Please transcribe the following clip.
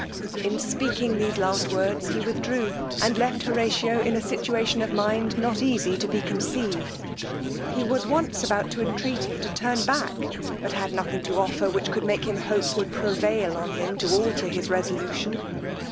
In speaking these last words he withdrew, and left Horatio in a situation of mind not easy to be conceived. He was once about to entreat him to turn back, but had nothing to offer which could make him hope would prevail on him to alter his resolution.